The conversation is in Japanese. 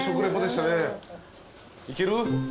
いける？